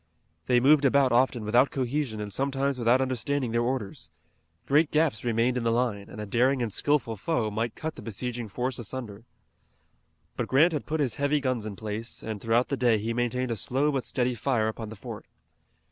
They moved about often without cohesion and sometimes without understanding their orders. Great gaps remained in the line, and a daring and skilful foe might cut the besieging force asunder. But Grant had put his heavy guns in place, and throughout the day he maintained a slow but steady fire upon the fort.